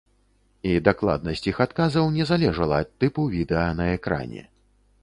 І дакладнасць іх адказаў не залежала ад тыпу відэа на экране.